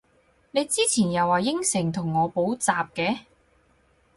你之前又話應承同我補習嘅？